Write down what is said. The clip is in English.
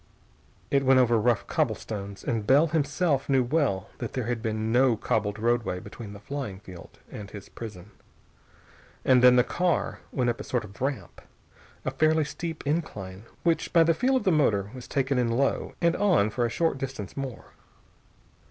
It went over rough cobblestones, and Bell himself knew well that there had been no cobbled roadway between the flying field and his prison. And then the car went up a sort of ramp, a fairly steep incline which by the feel of the motor was taken in low, and on for a short distance more.